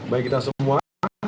bagi kita semua